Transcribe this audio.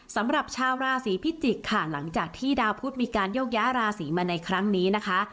สำหรับชาวราศีพิจิกค่ะหลังจากที่ดาวพุทธมีการโยกย้ายราศีมาในครั้งนี้นะคะ